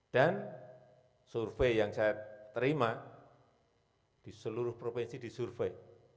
dan survei yang saya terima di seluruh provinsi disurvei